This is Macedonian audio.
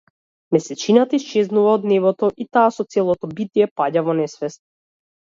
Месечината исчезнува од небото, и таа со целото битие паѓа во несвест.